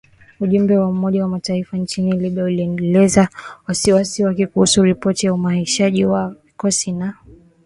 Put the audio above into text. Ujumbe wa Umoja wa Mataifa nchini Libya ulielezea wasiwasi wake kuhusu ripoti ya uhamasishaji wa vikosi na harakati za misafara mikubwa ya makundi yenye silaha.